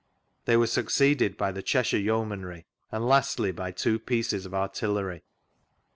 They were sucoeeded by the Cheshire Yeomanry, and lastly by two pieces of artillery.